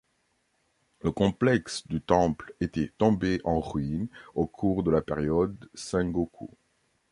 Le complexe du temple était tombé en ruines au cours de la période Sengoku.